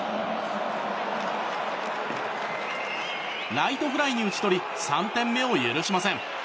ライトフライに打ち取り３点目を許しません。